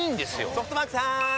ソフトバンクさーん！